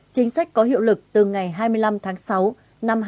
chính sách có hiệu lực từ ngày hai mươi năm tháng sáu năm hai nghìn một mươi chín